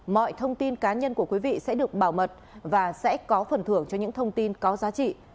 mọi thông tin cá nhân của quý vị sẽ được bảo mật và sẽ có phần thưởng cho những thông tin có giá trị